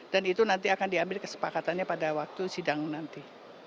dan itu nanti akan diambil kesepakatannya pada waktu sidang nanti